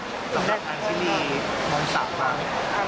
สัมผัสที่มีมงสามมา